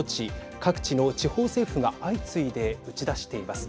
各地の地方政府が相次いで打ち出しています。